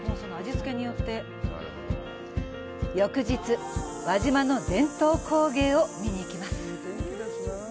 翌日、輪島の伝統工芸を見に行きます。